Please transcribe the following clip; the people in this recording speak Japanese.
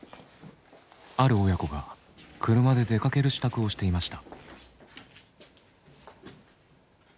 ある親子が車で出かける支度をしていました。